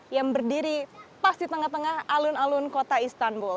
yang berdiri pas di tengah tengah alun alun kota istanbul